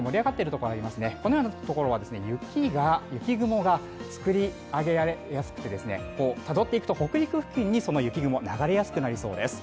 このようなところは雪雲が作り上げられやすくて、たどっていくと、北陸付近にその雪雲、流れやすくなりそうです。